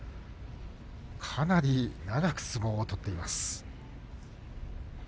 かなり長く相撲を取っています。